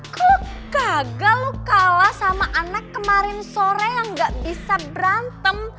kalo kagak lo kalah sama anak kemarin sore yang gak bisa berantem